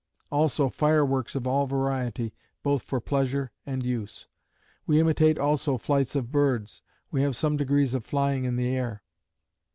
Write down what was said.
Also fireworks of all variety both for pleasure and use. We imitate also flights of birds; we have some degrees of flying in the air.